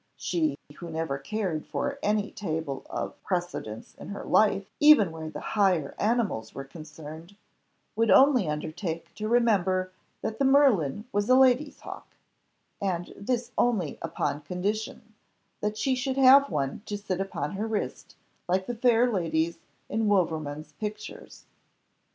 She, who never cared for any table of precedence in her life, even where the higher animals were concerned, would only undertake to remember that the merlin was a lady's hawk, and this only upon condition, that she should have one to sit upon her wrist like the fair ladies in Wouvermans' pictures.